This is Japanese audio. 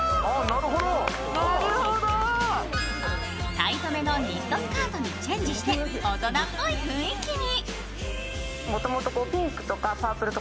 タイトめのニットスカートにチェンジして大人っぽい雰囲気に。